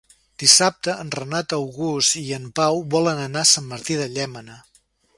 Dissabte en Renat August i en Pau volen anar a Sant Martí de Llémena.